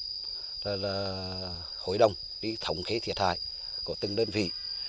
đã thành lập hội đồng để thống khế thiệt hại của từng đơn vị